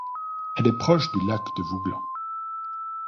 Elle est proche du Lac de Vouglans.